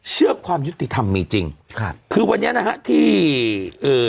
ความยุติธรรมมีจริงครับคือวันนี้นะฮะที่เอ่อ